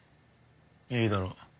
いいだろう。